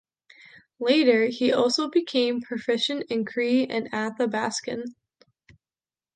Later, he also became proficient in Cree and Athabaskan.